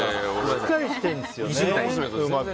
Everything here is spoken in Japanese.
しっかりしてるんですよね風磨君。